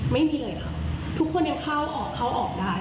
ไม่มีเลยค่ะทุกคนยังเข้าออกเข้าออกได้